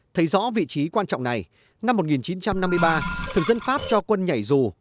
thấy rõ vị trí quan trọng này năm một nghìn chín trăm năm mươi ba thực dân pháp cho quân nhảy dù